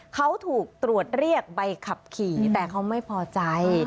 เขาถูกตรวจเรียกใบขับขี่แต่เขาไม่พอใจ